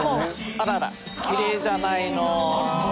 あらあらきれいじゃないの。